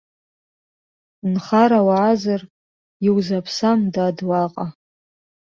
Нхара уаазар, иузаԥсам, дад, уаҟа.